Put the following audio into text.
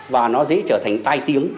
và nó dễ trở thành tai tiếng